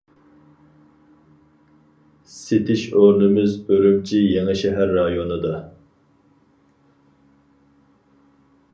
سېتىش ئورنىمىز ئۈرۈمچى يېڭى شەھەر رايونىدا.